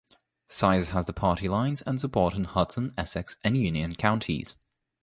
Sires has the party lines and support in Hudson, Essex and Union Counties.